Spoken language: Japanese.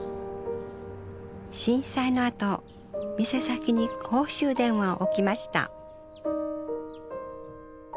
震災のあと店先に公衆電話を置きました